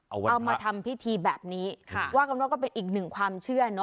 เอามาทำพิธีแบบนี้ค่ะว่ากันว่าก็เป็นอีกหนึ่งความเชื่อเนอ